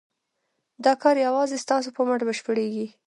دا کار یوازې ستاسو په مټ بشپړېږي.